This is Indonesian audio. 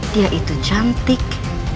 dia itu cantik